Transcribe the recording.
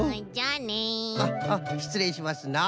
あっあっしつれいしますな。